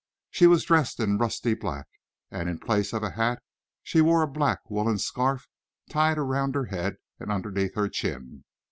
She was dressed in rusty black, and in place of a hat she wore a black woolen scarf tied around her head and underneath her chin.